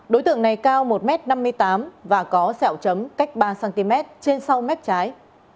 đối tượng này cao một m năm mươi tám và có sẹo chấm cách ba cm trên sau mép trái